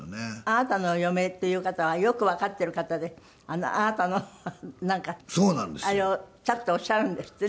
あなたの嫁という方はよくわかっている方であなたのなんかあれをチャッとおっしゃるんですってね。